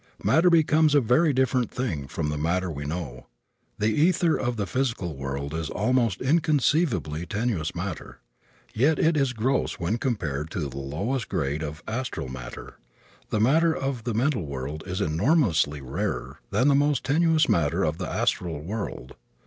Matter becomes a very different thing from the matter we know. The ether of the physical world is almost inconceivably tenuous matter. Yet it is gross when compared to the lowest grade of astral matter. The matter of the mental world is enormously rarer than the most tenuous matter of the astral world.